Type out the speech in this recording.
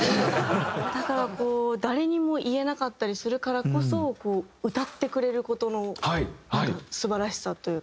だからこう誰にも言えなかったりするからこそ歌ってくれる事の素晴らしさというか。